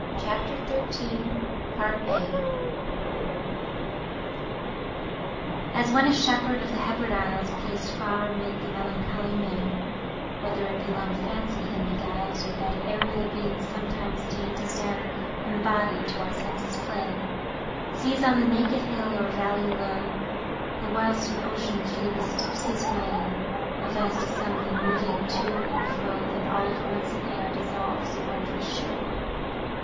CHAPTER XIII As when a shepherd of the Hebrid Isles, Placed far amid the melancholy main, (Whether it be lone fancy him beguiles, Or that aerial beings sometimes deign To stand embodied to our senses plain) Sees on the naked hill, or valley low, The whilst in ocean Phœbus dips his wain, A vast assembly moving to and fro, Then all at once in air dissolves the wondrous show.